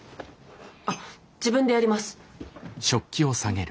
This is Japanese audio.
あっ自分でやります。